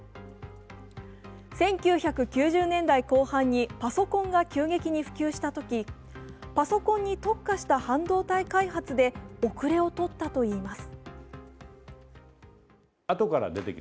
１９９０年代後半にパソコンが急激に普及したとき、パソコンに特化した半導体開発で遅れをとったといいます。